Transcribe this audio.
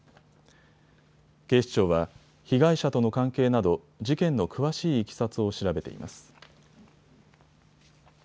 警視庁は被害者との関係など事件の詳しいいきさつを調べています。